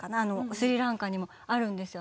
スリランカにもあるんですよね